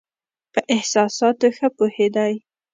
په احساساتو ښه پوهېدی.